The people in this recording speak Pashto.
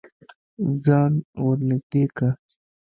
ځان ور نږدې که.